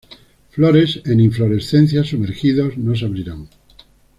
Flores en inflorescencias sumergidos no se abrirán.